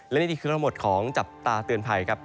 และนี่คือทั้งหมดของจับตาเตือนภัยครับ